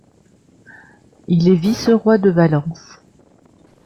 Il est vice-roi de Valence.